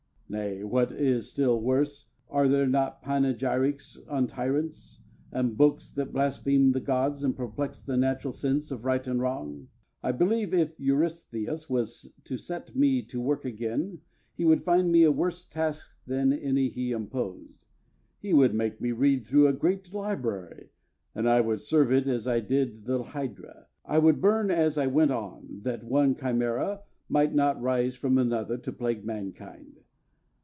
Nay, what is still worse, are there not panegyrics on tyrants, and books that blaspheme the gods and perplex the natural sense of right and wrong? I believe if Eurystheus was to set me to work again he would find me a worse task than any he imposed; he would make me read through a great library; and I would serve it as I did the hydra, I would burn as I went on, that one chimera might not rise from another to plague mankind.